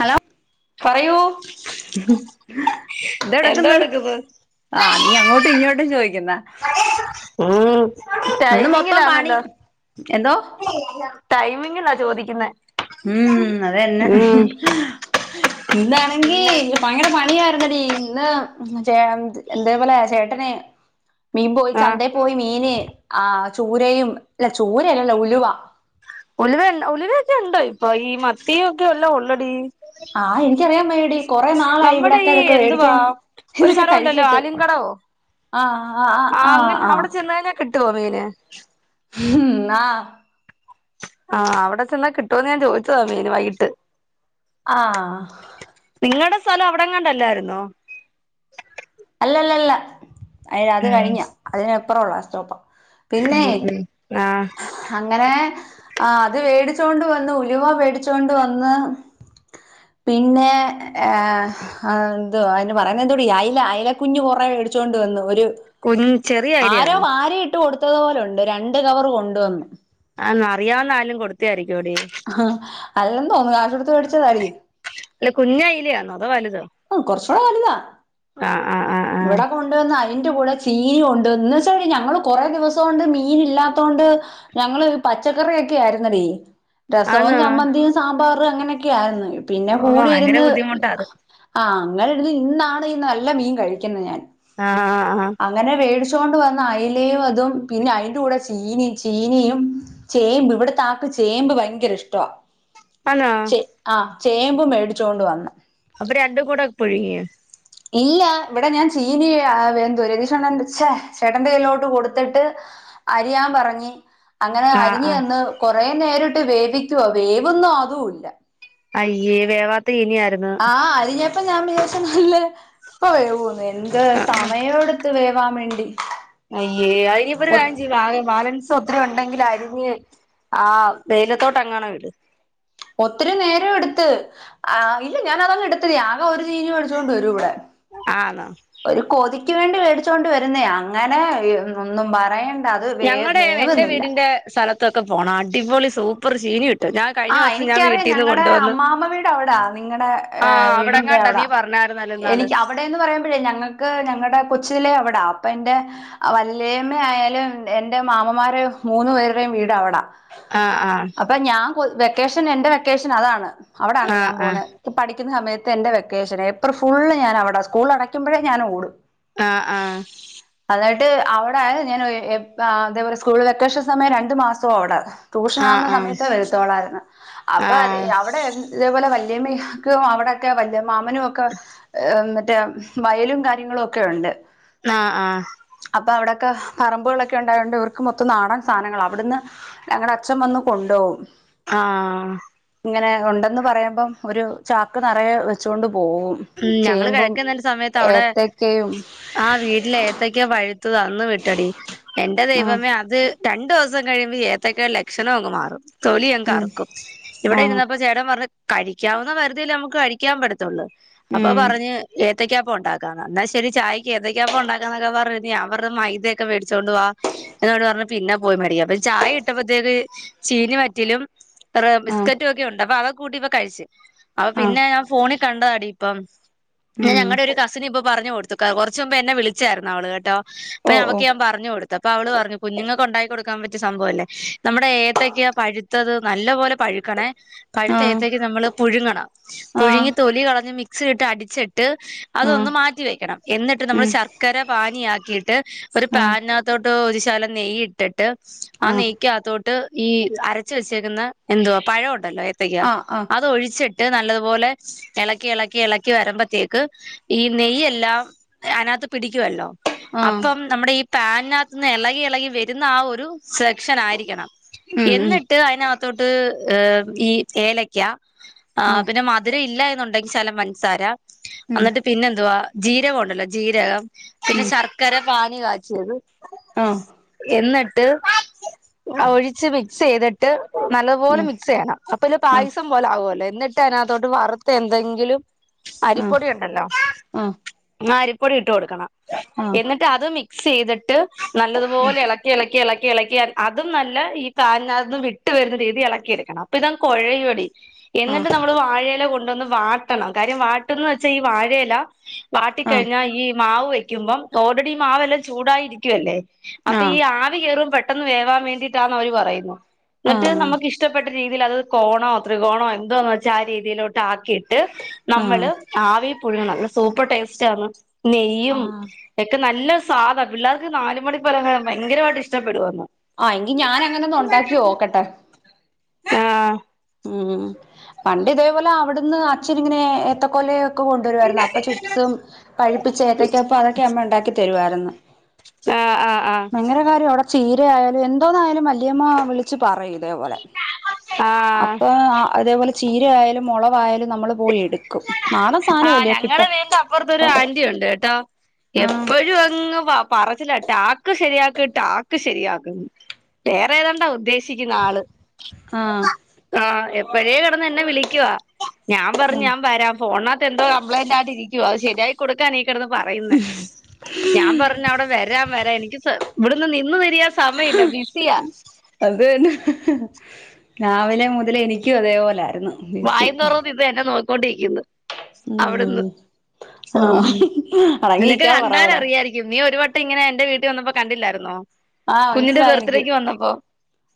Hello പറയൂ എന്താ ഇതെടുക്കുന്നു എടുക്കുനെ ആഹ് നീ അങ്ങോട്ടും ഇങ്ങോട്ടും ചോദിക്കുന്നോ ഉം ഇന്ന് മൊത്തം പണി ടൈമിങ്ങിലാന്നല്ലോ എന്തോ ടൈമിംങ്ങിന്നാ ചോദിക്കുന്നാ ഉം അത് തന്നെ ഇന്നാണെങ്കി ഭയങ്കര പണിയായി ന്നെടി ഇന്ന് ചേ ഇന്തേപോലെ ചേട്ടന് മീൻ പോയി ആഹ് ചന്തയി പോയി മീന് ആഹ് ചൂരയും അല്ല ചൂരയല്ലല്ലോ ഉലുവ ഉലിവണ്ടോ ഉലുവൊക്കെ ഉണ്ടോ ഇപ്പൊ ഈ മത്തി ഒക്കെ അല്ലെ ഉള്ളടി ആഹ് എനിക്കറിയാംവയ്യടി കുറെ നാളായി നമ്മുടെ ഇവിടെക്കെ ഈ ഇതൊക്കെ മേടിച്ചോ എന്തുവാ ഒരു ഇതൊക്കെ സ്ഥലമുണ്ടല്ലോ കഴിച്ചിട്ട് ആലിൻകടവോ ആഹ് ആഹ് ആ ആഹ് ആഹ് അങ്ങനെ ആഹ് അവിടെ ചെന്നലെ കിട്ട ട്ടോ മീന് മം ന്നാ ആഹ് അവിടെ ചെന്നാ കിട്ടോ ഞാൻ ചോദിച്ചതാ മീന് വൈകിട്ട്. ആഹ ആഹ് നിങ്ങളടെ സ്ഥലം അവിടങ്ങണ്ടല്ലായിരുന്നോ. അല്ലല്ല അല്ല അ അത് ഉം കഴിഞ്ഞ അതിന് അപ്പുറള്ള സ്റ്റോപ്പാ. ഉം പിന്നെയ് ഉം ആഹ് അങ്ങനെ ആ അത് വേടിചോ ഓണ്ട് വന്ന് ഉലുവ മേടിച്ചോണ്ട് വന്ന് പിന്നെ ഏഹ് എന്ത അയിന് പറയുന്നത് എന്തുവാടി അയല അയല കുഞ്ഞു കുറേ മേടിച്ചുകോണ്ട് വന്നു. ഒരു കുഞ് ചെറിയ ആരോ അയിലയാണോ വാരിയിട്ട് കൊടുത്തതു പോ ലുണ്ട് രണ്ട് കവർ കൊണ്ടുവന്നു. ആ അറിയാവുന്ന ആരേലും കൊടുത്തയായിരിക്കും. ആ അല്ല തോന്നുന്നു കാശോടുത്ത് മേടിച്ചതായിരിക്കു. അല്ല കുഞ്ഞയിലാന്നോ അതോ വലുതോ കുറച്ചൂടെ വലുതാ, ആഹ് ആഹ് ആഹ് ആഹ് ഇവിടെ കൊണ്ടുവന്നാ അതിന്റെ കൂടെ ചീരി കൊണ്ട് എന്ന്വെച്ചാ ഞങ്ങള് കൊറ ദിവസം കൊണ്ട് മീൻ ഇല്ലാത്തോണ്ട് ഞങ്ങള് പച്ചക്കറിയൊക്കെ ആയിരുന്നെടി രസവും ആന്നോ ചമ്മന്തിയും സാമ്പാർ അങ്ങനെയൊക്കെയായിരുന്നു. പിന്നെ ഓഹ് ഭയങ്കര കൂടിയിരുന്ന് ബുദ്ധിമുട്ടാ അത് ആ അങ്ങനൊരു ഇന്നാണ് നല്ല മീൻ കഴിക്കുന്നത് ഞാൻ. ആഹ് ആഹ് ആഹ് അങ്ങനെ മേടിച്ചൊണ്ട് വന്ന് അയ്ലും അതും പിന്നെ അതിന്റെ കൂടെ ചീനയും ചീനയും ചേമ്പ് ഇവിടെ താക്ക് ചേമ്പ് ഭയങ്കര ഇഷ്ട ആന്നോ ചേ ആ ചേമ്പ് മേടിച്ചൊണ്ട് വന്ന് അപ്പൊ രണ്ടു കൂടെപുഴുങ്ങിയ ഇല്ല ഇവിടെ ഞാൻ ചീനി വേന്ത രതീഷഅണ്ണൻ ച്ചേ ചേട്ടന്റെറെ കയ്യിലോട്ട് കൊടുത്തിട്ട് അരിയാൻ പറഞ്ഞി അങ്ങനെ ആഹ് അരിഞ് ആഹ് അന്ന് കുറേ നേരിട്ട് വേവിക്കുവ വേവുന്നൊ അതുഇല്ല അയ്യേ വേവാത്ത ഈനിയായിരുന്നൊ അപ്പൊ ഞാൻ വിചാരിച്ചു നല്ല ഇപ്പ വേവൂന്നു എന്ത് സമയം എടുത്ത് വേവാൻ വേണ്ടി അയ്യേ അത് ഇനിപ്പോരു ഒ- കാര്യംചെയ്യ ആകെ ബാലൻസ് ധോത്തിരി ഉണ്ടെങ്കിൽ അരിഞ്ഞ് ആ വെയിലത്തോട്ട് അങ്ങാണോ ഇട് ഒത്തിരി നേരം എടുത്ത് അതിൽ ഞാൻ അതങ്ങ് എടുത്തത് ആകെ ഒരു ചീനി വേടിച്ചോണ്ട് വരും ഇവിടെ ആണോ എനിക്ക് വേണ്ടി മേടിച്ചുകൊണ്ട് വരുന്നേ അങ്ങനെ ഒന്നും പറയാൻ ഞങ്ങളുടെ എന്റെ വീടിന്റെ സ്ഥലത്തൊക്കെ പോണം അടിപൊളി സൂപ്പർ ചീനി കി ആ എനിക്കറിയാം ഞങ്ങളടെ അമ്മാമ്മ വീട് അവിടാ നിങ്ങളടെ ആഹ് വീടിന്റെ അവിടെങ്ങാണ്ടാ നീ അവിടാ പറഞ്ഞായിരുന്നല്ലോ ഇന്നാള് എനിക്ക് അവിടെന്ന് പറയുമ്പഴേ ഞങ്ങൾക്ക് ഞങ്ങളുടെ അവിട അപ്പൊ എന്റെ വല്ല്യേമ്മആയാലും എന്റെ മാമൻമ്മാര് മൂന്നു പേരുടെ വീട് അവടാ ആ ആ വെക്കേഷൻ എന്റെ വെക്കേഷൻ അതാണ് അവിടാണ് ആഹ് ഞാൻ പോകുന്നത് ഠിക്കൂന്ന സമയത്ത് എന്റെ വെക്കേഷൻഏപ്പ്രിൽ ഫുള് ഞൻ അവിടെ സ്കൂൾ അടക്കുമ്പോഴേ ഞൻ ഓടും ആ ആ എന്നിട്ട് അവിടെആയിങ്ങനെ ആ എപ്പോ ഇതേ പോലെ സ്കൂൾ വെക്കേഷൻ സമയം രണ്ടു മാസാ അവിടെ ട്യൂഷൻ ആകുന്ന ആഹ് സമയത്ത് ആഹ് വര അപ്പ ആഹ് അവിടെ ഇതേപോലെ വല്യമ്മക്ക അവിടെക്കെ വല്യമ്മ മാമനും ഓക്കെ മറ്റേ വയലും കാര്യങ്ങളും ഒക്കെ ഉണ്ട് ആ ആ ഒക്കെ പറമ്പുകളൊക്കെ ഉണ്ടായതൊണ്ട് ഇവർക്ക് മൊത്തം നാടൻ സാധനങ്ങളാ അവിടുന്ന് ഞങ്ങളെ അച്ഛൻ വന്ന് കൊണ്ടോകും ആ ഇങ്ങനെ ഉണ്ടെന്ന് പറയുമ്പം ഒരു ചാക്ക് നിറയെ വെച്ചൊ ഉം ഞങ്ങള്ൾ കിഴക്കുന്ന സമയത്ത് അവിടെ ഏത്തക്കയും ആ വീട്ടില ഏത്തക്ക പഴുത്തതാ ഒന്ന് വിട്ടടി എന്റെ ആ ദൈവമേ അത് രണ്ടൂസം കഴിയുമ്പോ ഏത്തക്ക ലക്ഷണമങ്ങ് മാറും തൊലി അങ്ങ് ഉം കറക്കും ആ ഇവിടെ ഇരുന്നപ്പ ചേടൻ പറഞ് കഴിക്കാവുന്ന പരിധിൽ നമുക്ക് കഴിക്കാൻ പറ്റത്തുള്ളൂ അപ്പൊ ഉം പറഞ്ഞ് തക്ക്യാപ്പം ഉണ്ടാക്കാന്ന് എന്നാൽ ശരി ചായക്ക് ഏതക്കാപ്പം ഉണ്ടാക്കാ എന്നൊക്കെ പറഞ് ഞൻ പറഞ്ഞു മൈദയൊക്കെ മേടിച്ചുകോണ്ട് വാ എന്നോട് പറഞ്ഞഞ് പിന്നെ പോയി മേടിക്ക അപ്പ ചായ ഇട്ടപ്പത്തേക്ക് ചീനിവറ്റിലും ആ ബിസ്കറ്റും ഒക്കെ ഉണ്ട് അപ്പൊ അവ കൂട്ടിപ്പ കഴിച്ചു അപ്പൊ ആഹ് പിന്നെ ഞാൻ ഫോണിൽ കണ്ടതാടി ഇപ്പം ഞാ ഉം ഞങ്ങളടെ ഒരു കസിൻ ഇപ്പൊ പറഞ്ഞു കൊടുത്തു കുറച്ച മുമ്പ് എന്നെ വിളിച്ചായിരുന്നു അവള് കേട്ടോ അപ്പൊ ഓ ഓ അവക്ക് ഞാൻ പറഞ്ഞു കൊടുത്തു അപ്പൊ അവള് പറഞ്ഞു കുഞ്ഞുങ് ഉണ്ടാക്കി കൊടുക്കാൻ പറ്റിയ സംഭവം അല്ലേ നമ്മുടെ ഏത്തക്കാ പഴുത്തത് നല്ല പോലെ പഴുക്കാന് ആഹ് പഴുത്തേഏത്തേക്ക് നമ്മള് പുഴുങ്ങണം പുഴുങ്ങി ആഹ് തൊലി കളഞ്ഞ് മിക്സി ഇട്ട് അടി അതൊന്ന് ആഹ് മാറ്റിവെക്കണം എന്നിട്ട് നമ്മള് ഉം ശർക്കരപ്പാനി ആക്കിയിട്ട് ഒരു ആഹ് പാനിനകതൊട്ട് ഒരുശാലം നെയ് ഇട്ടിട്ട് ആ ആഹ് നെയ്ക ട്ട് ഈ അരച്ച വെച്ചേക്കുന്ന എന്തുവാ പഴംഉണ്ടല്ലോ ഏത്തക്ക ആഹ് ആഹ് അതൊഴിചച്ചി ട്ട് ട്ട് നല്ലതുപോലെ ഇളക്കി ഇളക്കി ഇളക്കി വരുമ്പോത്തേക്ക് ഈ നെയ്യെല്ലാം അതിനകത്ത് പിടിക്കുവല്ലോ ആഹ് അപ്പം നമ്മുടെ ഈ പാന് നകത്ത്ന്ന് ഇളകി ഇളകി വരുന്ന ആ ഒരു സെക്ഷൻ ആയിരിക്കണം ഉം ഉം എന്നിട്ട് അയനകത്തോട്ട് ഏഹ് ഈ ഏലക്ക ആ ആഹ് പിന്നെ മധുര ഇല്ല എന്നുണ്ടെങ്കിൽ ശലം പഞ്ചസാര ഉം എന്നിട്ട് പിന്നെന്തുവാ ജീരകം ഉണ്ടല്ലോ ജീരകം പിന്നെ ഉം ശർക്കര പാനീ കാച്ചിയത് ആഹ് എന്നിട്ട് ഒഴിച്ച് മിക്സ് ചെയ്തിട്ട്. നല്ലത് പോലെ മിക്സ് ചെയ്യണം. അപ്പൊ ഇത് പായസം പോലെ ആവുല്ലോ, എന്നിട്ട് അതിനകത്തോട്ട് വറുത്ത് എന്തെങ്കിലും. ഉം അരിപ്പൊടി ഉണ്ടല്ലോ, ആഹ് ആ അരിപ്പൊടി ഇട്ട് കൊടുക്കണം. ആഹ് ആഹ് എന്നിട്ട് അത് മി മിക്സ് ചെയ്തിട്ട്, നല്ലതുപോലെ ഇളക്കി ഇളക്കി ഇളക്കി. ഇളക്യാൻ അതും നല്ല ഈ തായ്ന്നാരി ൽ നിന്നും വിട്ട് വരുന്ന രീതി ഇളക്കിരിക്കണം. അപ്പൊ ഇതങ്ങ് കൊ ഴയോടി. എന്നിട്ട് ആഹ് നമ്മള് വാഴയില കൊണ്ടുവന്ന് വാട്ടണം, കാര്യം വാട്ടന്ന് വച്ചാ ഈ വാഴയില. വാട്ടിക്കഴിഞ്ഞാ ഈ മാവ് വെക്കുമ്പം ഓൾറെഡി ഈ മാവെല്ലാം ചൂടായിരിക്കുവല്ലേ.? ആഹ് ആഹ് ആഹ് ആഹ് അപ്പൊ ഈ ആവി കേറും പെട്ടെന്ന് വേവാൻ വേണ്ടിട്ടാന്ന് അവര് പറയുന്നു. എന്നിട്ട് ആഹ് നമുക്ക് ഇഷ്ടപ്പെ രീതിയിൽ അത് കോണോ, ത്രികോണോ എന്തോന്ന് വച്ചാ ആ രീതിയിലോട്ട് ആക്കി. ട്ട് ആഹ് നമ്മള് ആഹ് ആവി പുഴുങ്ങണം. സൂപ്പർ ടേസ്റ്റ് ആന്ന്. നെയ്യും ആഹ് എക്കെ നല്ലൊ സ്വാദ, പിള്ളേർക്ക് നാലുമണി പലഹാരം ഭയങ്കരമായിട്ട് ഇഷ്ടപ്പെടുവന്ന്. ആ എങ്കി ഞാനങ്ങന ഒന്ന് ഉണ്ടാക്കി നോക്കട്ടെ. ആ ഉം. പണ്ട് ഇതേപോലെ അവിടുന്ന് അച്ഛൻ ഇങ്ങനെ ഏത്തക്കൊലെ. യൊ ഒക്കെ കൊണ്ടു വരുവാരുന്നു. അപ്പൊ ചിപ്സും പഴിപ്പിച്ച ഏതക്ക, പ്പോ അതൊക്കെ അമ്മ ഉണ്ടാക്കി തരുവാ രുന്നു. ആഹ് ആഹ് ആഹ് ഭയങ്കര കാര്യം അവിടെ ചെയ്യ. ആയാലും എന്തോന്നായാലും വല്യാമ്മ വിളിച്ച് പറയും ഇതേപോലെ ആഹ് അപ്പൊ അതേപോലെ ചീര ആയാലും, മുളവായാലും നമ്മൾ പോയി എടുക്കും. നാടൻ ആ സാധനമല്ലേ കിട്ട ഞങ്ങടെ വീട് ന്റെ അപ്പുറത് ഒരു അപ്പൊ ആന്റിയുണ്ട് കേട്ടാ, ആഹ് എപ്പഴും അങ്ങ് പ പറ. ല ടാക്ക് ശരിയാക് ടാക്ക് ശരിയാക് ന്ന്‌ വേറെ ഏതാണ്ടാ ഉദ്ദേശിക്കുന്ന് ആള്. ആ. പഴേ കിടന്ന് എന്നെ വിളിക്കുവ, ഞാൻ പറഞ് ഞാൻ വരാം. ഫോണ്നകത്ത് എന്തോ കംപ്ലയിന്റ് ആയിട്ട് ഇരിക്കുവാ. അത് ശരിയായി കൊടുക്കാൻഈ കിടന്ന് പറയുന്ന, ഞാൻ പറഞ്ഞ അവിടെ വരാൻ വരാ എനിക്ക് സ. ഇവിടുന്ന് നിന്ന്വെ. അത് തന്നെ. രാവിലെ മുതല് എനിയ്ക്കും അതേപോല. വായ തൊറന്ന് ഇത് എന്നെ നോക്കി ക്കോണ്ടിരിക്ന്ന്. അവിടുന്ന്, ഉം ഉം ആഹ് നിനക് അടങ്ങിയിരിക്കാൻ പറ അവിടെ കണ്ടാലറിയായിരിക്കും നീ ഒരുവ ഇങ്ങന എന്റെ വീട്ടി വന്നപ്പോ, കണ്ടില്ലായിരുന്നോ. ആഹ് കുഞ്ഞിന്റെ മനസ്സിലായി എനിക്ക് ബർത്ത്ഡേക്ക് വന്നപ്പോ,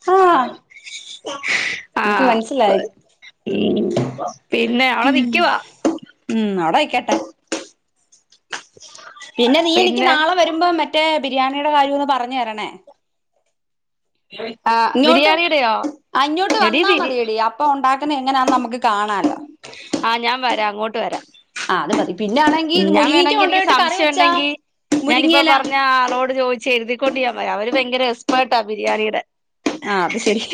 സ്റ്റാർട്ട്‌ ആഹ് ആയി. എനിക്ക് മനസിലായി. ഉം, പിന്നെ അവളെ നിക്കുവാ. യി കേട്ടെ. പിന്നെ നീ എനിക്ക് നാളെ വരുമ്പോ, മറ്റേ ബിരിയാണിയുടെ കാര്യം ഒന്ന് പറഞ് തരണേ. ആഹ് ഇങ്ങോട്ട്, ബിരിയാണിയുടെയോ ആ ഇങ്ങോട്ട് എടി വന്നാ ബിരി മതിയടി അപ്പൊ ഉണ്ടാ. [unintelligible] നമുക്ക് കാണാല്ലോ. ആഹ് ഞാൻ വരാം അങ്ങോട്ട് വരാം. ആ അത് മതി. പിന്നെ ൻ ആണെങ്കി ഉം, ഇത് ഞാൻ മുരിങ്ങിക്ക വേണങ്കി എനിക്ക് കൊണ്ടോയിട്ട് കറി സംശയം വെച്ചാ ഉണ്ടെങ്കി, ഞാനിപ്പ മുരിങ്ങയില പറഞ്ഞആ ആളോട് ചോദിച്ച് എഴുതിക്കൊണ്ട് ഞാൻ വ. അവര് ഭയങ്കര എക്സ്പർട്ടാ ബിരിയാണിടെ. ആ അത് ശരി.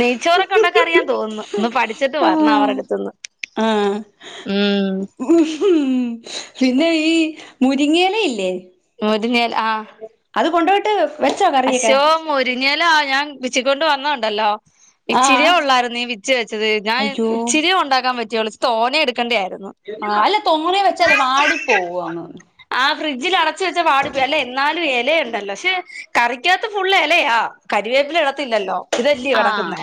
നെയ്ച്ചോറൊക്ക ഉണ്ടാക്ക അറിയാൻ തോന്നുന്നു. ഒന്ന് പഠിച്ചിട്ട് ആ വരണം അവരുടെ അടുത്തുന്ന്. ഉം ഉം, ഫിന്നെ ഈ മുരിങ്ങേല യില്ലേ.? മോദിലേൽ ആ അത് കൊണ്ട്പോട്ട്. അശോ, മുരിങ്ങലാ ഞാൻ വിച്ചിക്കൊണ്ട് വന്നാണ്ടല്ലോ. ആ ഇച്ചിരിയേ ഉള്ളായിരുന്നു ഈ വിച്ച് വെച്ചത്, ഞാൻ അയ്യോ ഇച്ചിരിയേ ഉണ്ടാക്കാൻ പറ്റിയുള്ളൂ, ച് തോന എടുക്കേണ്ടയാ യിരുന്നു. ആ അല്ല തോനെ വെച്ചാലേ വാടി [unintelligible] പോവും അങ്ങ് ആ. ഫ്രിഡ്ജിൽ അടച്ച വെച്ച പാട്, വെലെ എന്നാലും എലയുണ്ടല്ലോ. ഷെ കറിക്കാത്ത ഫുള്ള് എലയാ കരിവേപ്പില ഇടത്തില്ലല്ലോ ഇതല്ലയ ആ കിടക്കുന്ന,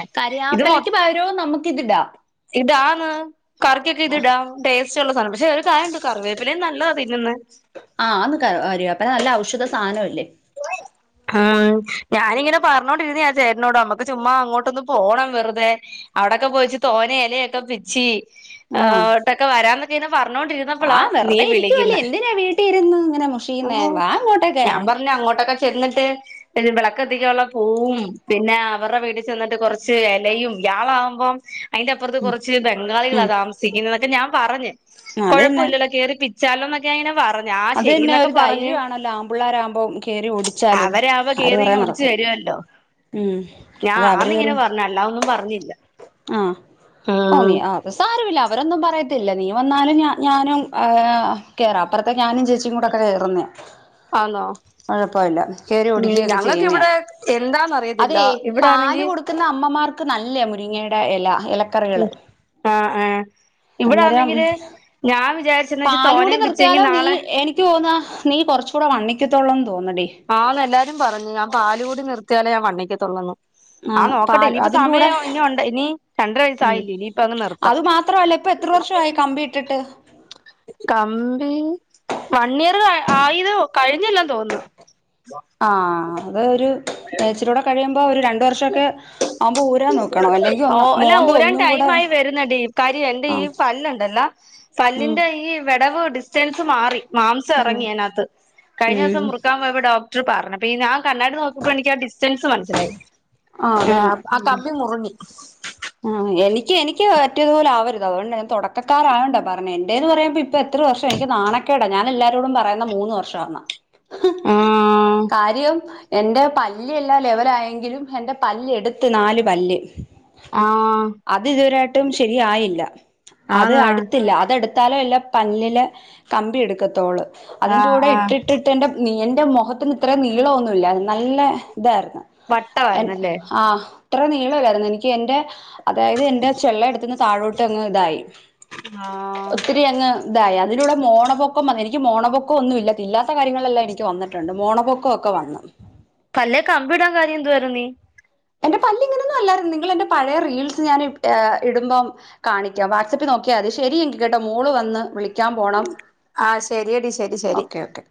ഇത് മൊ കരിയാപ്പലക്ക് പകരവും നമുക്കിതിടാം ഇതാന്ന് കറിക്കൊക്കെ ഇത് ഇടാം ടേസ്റ്റ് ഉള്ള സാധനം പക്ഷെ ഒരു കാര്യംണ്ട് കറിവേപ്പിലയും നല്ലതാ തിന്നുന്നേ. ആഹ കരിവേപ്പില നല്ല ഔഷധ സാനല്ലേ ഉം ഞാനിങ്ങനെ പറഞ്ഞോണ്ടിരുന്ന ചേട്ടനോട് നമ്മുക്ക് ചുമ്മാ അങ്ങോട്ടൊന്ന്ന് പോണം വെറുതെ. അവിടെക്കെ പോയിച്ച് തോനേ ഇലയൊക്കെ പിച്ചി ആഹ് ആട്ടൊക്കെ വരാൻ ആ പറഞ്ഞോണ്ടിരുന്നപ്പോളാ നീ വെറുതെ ഇരിക്കുവല്ലേ വിളിക്കുന്നേ, എന്തിനാ വീട്ടിൽ ഇരുന്ന് ഇങ്ങനെ മുഷിയുന്നേ വാ ഇങ്ങോട്ടൊക്കെ ഞാൻ പറ ങ്ങോട്ടൊക്കെ ചെന്നിട്ട് വിളക്കത്തികാനുള്ള പുവും പിന്നെ അവരുടെ വീട്ടിൽ ചെന്നിട്ട് കുറച്ച് ഇലയും, ഇയാളകുമ്പം അയ്‌ന്റെ അപ്പുറത്ത് കുറച്ച് ബംഗാളികളാ ഉം താമസിക്കുന്നതൊക്കെ ഞാൻ പറഞ്ഞ്. അത് തന്നെ കുഴപ്പമില്ലല്ലോ കേറി ചലോന്നൊക്കെ അങ്ങനെ പറ അത് തന്നെ ഒരു ധൈര്യം ആണല്ലോ ആമ്പിള്ളേരാവുമ്പോം കേറി ഓടിച്ചാലും അവരാവുമ്പോ ആര കേറി പറയാൻ ഇങ്ങ് ഒടിച്ചു നടക്കും. തരുവല്ലോ ഉം ഞാൻ അത അവര് ആന്നിങ്ങനെ [unintelligible] പറഞ്ഞു അല്ലാതൊന്നും പറഞ്ഞില്ല ആ ഒ ഉം അതു സാരമില്ല അവരൊന്നും പറയ ത്തില്ല നീ വന്നാലും ഞ ഞാനും ആ കേറാം അപ്പുറത്തേ ഞാനും ചേച്ചിയും കൂടെക്കെ കേയറുന്നേ ആന്നോ കുഴപ്പല്ല കയറി ഉം ഓടിക്കയൊക്കെ ഞങ്ങൾക്ക് ചെയ്യുന്ന ഇവിടെ എന്താന്നറിയത്തില്ല അതെ ഇവിടെ പാല് ആണെങ്കി കൊടുക്കുന്ന അമ്മമാർക്ക് നല്ല മുരിങ്ങടെ ഇല ഇലക്കറികള് ഉം ആ ഏ അന്നേരം വിചാരിച്ചെന്ന് വെച്ചാ പാലൂടി തോനേം പിച്ചെങ്കി നിർത്തിയാലോ നീ നാളെ എനിക്ക് തോന്ന നീ കൊറച്ച [unintelligible] വണ്ണിക്കോത്തള്ളോ ആ ന്ന് എല്ലാരും പറഞ്ഞ് ഞാൻ പാല് കുടി നിർത്തിയാലേ ഞാൻ വണ്ണി ക്കത്തൊള്എന്ന്. ആ ആന്ന് നോക്കട്ടെ പാൽ ഇനിയിപ്പോ അതിന്റെ കൂടെ സമയോ ഇനി ഉണ്ട ഇനി രണ്ടര വയസ്സായില്ലേ ഇനിയിപ്പ അങ്ങ് നിർത്താം എപ്പൊ എത്ര വർഷായി കമ്പിട്ടിട്ട് കമ്പി വൺ ഇയർ ആയിന് കഴിഞ്ഞല്ല തോന്ന് ആ അത് ഒരുച്ചരി കൂടെ കഴിയുമ്പോ ഒരു ര ഒരു വർഷൊക്കെ ആവുമ്പോ ഊരാൻ നോക്കണം അല്ലെങ്കിൽ ഓ ഒന്ന് അല്ല മോന്ത ഊരാൻ ഒന്നും ടൈം കൂടെ ആയി വരുന്നടി കാര്യം എന്റെ അ. ഈ പല്ലുണ്ടല്ല പല്ലിന്റെ ഈ വിടവ് ഡിസ്റ്റൻസ് മാറി മാംസം ഇറങ്ങിയ അയ്‌നകത്ത്. കഴിഞ്ഞ ദിവസം ഉം മുറുക്കാൻ പോയപ്പോ ഡോക്ർ പറഞ്ഞ പീ ഞാൻ കണ്ണാടി നോക്കുമ്പോ എനിക്ക് ആ ഡിസ്റ്റൻസ് മനസിലായി ആഹ് ആ അതന്നെ ആ കമ്പി മുറിഞ്ഞ് [unintelligible] ആവര്ത് തുടക്കാരായണ്ട പറഞ്ഞ എന്റെ ഇപ്പോ എത്ര വർഷ എനിക്ക് നാണ കേടാ ഞാൻ എല്ലാരോടും പറയുന്ന മൂന്ന് വർഷം എന്ന ഹം ആ കാര്യം എന്റെ പല്ല് എല്ലാ ലെവല ആയെങ്കിലും എന്റെ പല്ല് എടുത്ത് നാല് പല്ല് ആ അത് ഇതുവരായിട്ടും ശരിയായില്ല അത് ആന്ന് അടുത്തില്ല അതെടുത്തലെഎല്ലാം പല്ലില് കമ്പി എടുക്കത്തോള് ആ അതിന്റെ കൂടെ ആ ഇട്ടിട്ടിട്ട്ന്റെ നിയ ന്റെ മുഖത്തിന് ഇത്ര നീളംന്നുല്ല നല്ല ഇതായിരുന്നു എ വട്ടമായിരുന്നല്ലേ ആ ഇത്ര നീളാരുന്നു എനിക്ക് എന്റെ അതായത് എന്റെ ചെള്ള എടുത്തന്ന് താഴോട്ട് അങ്ങ് ഇതായി ആഹ് ഒത്തിരി അങ്ങ് ഇതായി അതിലടെ മോണപ്പൊക്കം എനിക്ക് മോണപ്പൊക്കംന്നുമല്ല ഇല്ലാത്ത കാര്യങ്ങളെല്ലാം എനിക്ക് വന്നിട്ടുണ്ട് മോണപ്പൊക്ക ഒ വന്ന് പല്ലേക്കെ കമ്പി ഇടാൻ കാര്യം എന്തു വരു നീ എന്റെ പല്ല് ഇങ്ങനെന്നും അല്ലായിരുന്നു നിങ്ങൾ എന്റെ പഴയ റീൽസ് ഞാൻ ഹെ ഇടുമ്പോം കാണിക്കാം വാട്സ്ആപ്പിൽ നോ ഓക്കെ അത് ശരി എനി കേട്ട മോള് വന്ന് വിളി ക്കാ പോണം ആഹ് ശരിയടി ശരി ശരി ഓകെ ഓകെ